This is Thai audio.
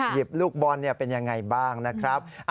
หยิบลูกบอลเนี่ยเป็นยังไงบ้างนะครับ